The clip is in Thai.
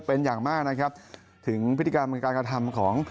เป็นอย่างมากนะครับถึงพฤติกรรมการกระทำของ